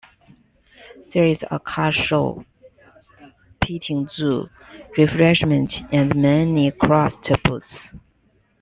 There is a car show, petting zoo, refreshments, and many craft booths.